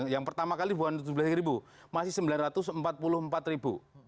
yang pertama kali bukan tujuh belas ribu masih sembilan ratus empat puluh empat ribu